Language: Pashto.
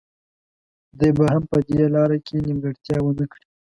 دی به هم په دې لاره کې نیمګړتیا ونه کړي.